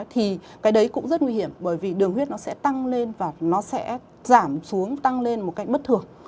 thì cái đấy cũng rất nguy hiểm bởi vì đường huyết nó sẽ tăng lên và nó sẽ giảm xuống tăng lên một cách bất thường